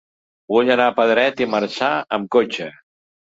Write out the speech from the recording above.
Vull anar a Pedret i Marzà amb cotxe.